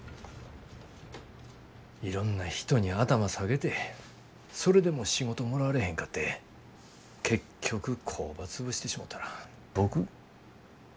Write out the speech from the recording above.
いろんな人に頭下げてそれでも仕事もらわれへんかって結局工場潰してしもたら僕何のために飛行機諦めたんやろ。